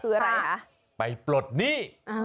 คืออะไรคะไปปลดหนี้